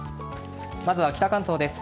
まずは北関東です。